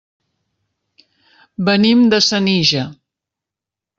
Venim de Senija.